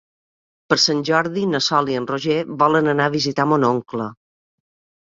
Per Sant Jordi na Sol i en Roger volen anar a visitar mon oncle.